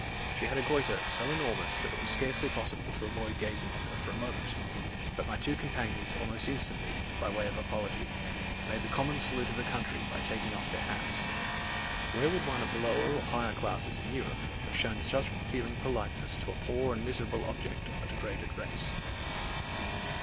She had a goitre so enormous that it was scarcely possible to avoid gazing at her for a moment; but my two companions almost instantly, by way of apology, made the common salute of the country by taking off their hats. Where would one of the lower or higher classes in Europe, have shown such feeling politeness to a poor and miserable object of a degraded race?